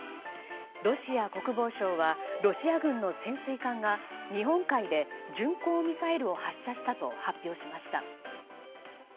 ロシア国防省はロシア軍の潜水艦が日本海で巡航ミサイルを発射したと発表しました。